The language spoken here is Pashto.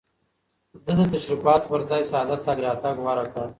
ده د تشريفاتو پر ځای ساده تګ راتګ غوره کړ.